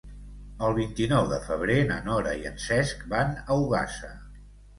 El vint-i-nou de febrer na Nora i en Cesc van a Ogassa.